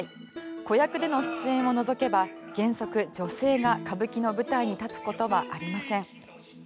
子役での出演を除けば原則女性が歌舞伎の舞台に立つことはありません。